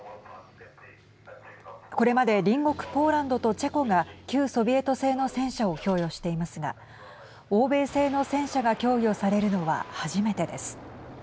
これまで隣国ポーランドとチェコが旧ソビエト製の戦車を供与していますが欧米製の戦車が供与されるのは初めてです。